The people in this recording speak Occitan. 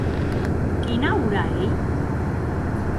Quina ora ei?